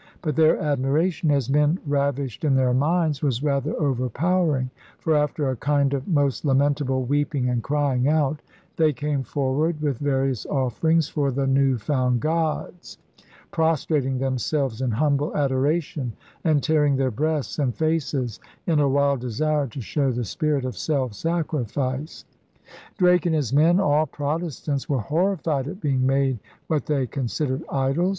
But their admiration *as men ravished in their minds' was rather overpowering; for, after 'a kind of most lamentable weeping and crying out,' they came forward with various offerings for the new found gods, prostrating themselves in humble adoration and tearing their breasts and faces in a wild desire to show the spirit of self sacrifice. Drake and his men, all Protestants, were horrified at being made what they considered idols.